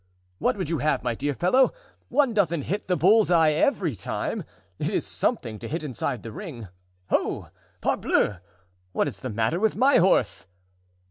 "What would you have, my dear fellow? One doesn't hit the bull's eye every time; it is something to hit inside the ring. Ho! parbleau! what is the matter with my horse?"